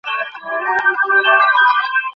তিনিও আমায় খুব ভালবাসতে লাগলেন।